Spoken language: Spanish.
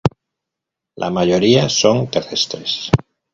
La mayoría son terrestres.